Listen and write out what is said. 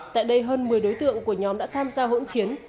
tại đây hơn một mươi đối tượng của nhóm đã tham gia hỗn chiến